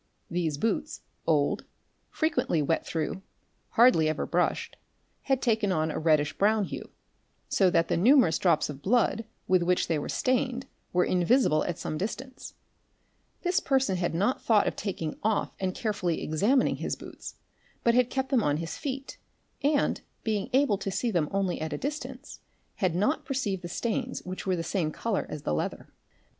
These boots, old, frequently _ wet through, hardly ever brushed, had taken on a reddish brown hue, so i that the numerous drops of blood with which they were stained were — invisible at some distance ; this person had not thought of taking off and — carefully examining his boots, but had kept them on his feet and, being © able to see them only at a distance, had not perceived the stains which © were the same colour as the leather.